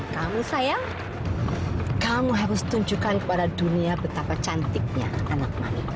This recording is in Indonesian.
kamu sayang kamu harus tunjukkan kepada dunia betapa cantiknya anak manik